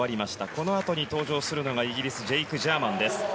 このあとに登場するのがイギリスジェイク・ジャーマンです。